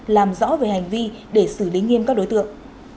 làm rõ về hành vi để xử lý nghiêm các đối tượng